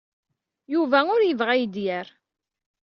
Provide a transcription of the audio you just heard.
Yuba ur yebɣi ad iyi-d-yerr.